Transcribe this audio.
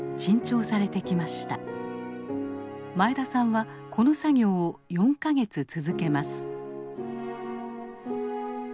前田さんはこの作業を４か月続けます。